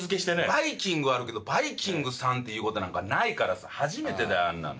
「バイきんぐ」はあるけど「バイきんぐさん」って言う事なんかないからさ初めてだよあんなん。